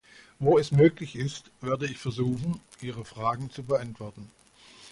Wo es möglich ist, werde ich versuchen, Ihre Fragen zu beantworten.